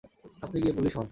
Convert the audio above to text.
আপনি গিয়ে পুলিশ হন।